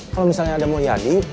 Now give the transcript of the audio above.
kalau misalnya ada mulia di